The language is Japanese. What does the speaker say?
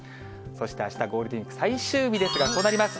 そしてあした、ゴールデンウィーク最終日ですが、こうなります。